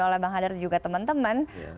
oleh bang hadar dan juga teman teman